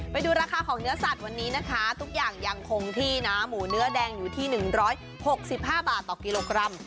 ไปดูราคาของเนื้อสัตว์วันนี้นะคะทุกอย่างยังคงที่นะหมูเนื้อแดงอยู่ที่๑๖๕บาทต่อกิโลกรัม